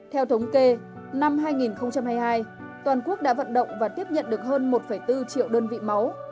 theo thống kê năm hai nghìn hai mươi hai toàn quốc đã vận động và tiếp nhận được hơn một bốn triệu đơn vị máu